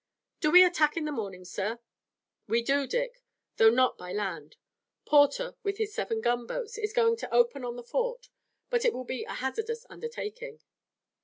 "Do we attack in the morning, sir?" "We do, Dick, though not by land. Porter, with his seven gunboats, is going to open on the fort, but it will be a hazardous undertaking."